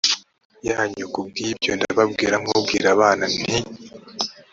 yanyu k ku bw ibyo ndababwira nk ubwira abana l nti